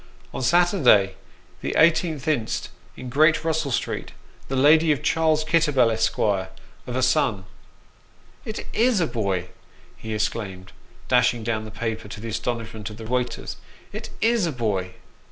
On Saturday, the 18th inst., in Great Russell Street, the lady of Charles Kitterbell, Esq., of a son." "It is a boy!" he exclaimed, dashing down the paper, to the astonishment of the waiters. " It is a boy